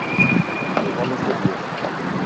Regalos de Dios.